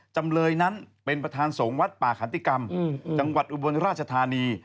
จำเลยนั้นเป็นประธานสงฆ์วัดป่าขันติกรรมจังหวัดอุบลราชธานี